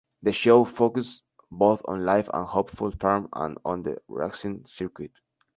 The show focuses both on life at Hopeful Farm and on the racing circuit.